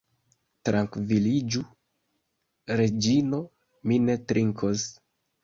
Trankviliĝu, Reĝino; mi ne trinkos.